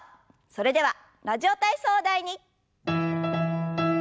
それでは「ラジオ体操第２」。